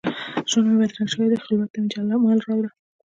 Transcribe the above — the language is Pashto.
ژوند مي بدرنګ شوی دي، خلوت ته مي جمال راوړه